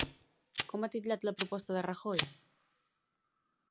Com ha titllat la proposta de Rajoy?